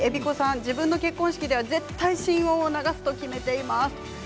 自分の結婚式では絶対「心音」を流すと決めています。